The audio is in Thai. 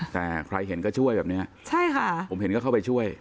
แต่ใครเห็นก็ช่วยแบบเนี้ยใช่ค่ะผมเห็นก็เข้าไปช่วย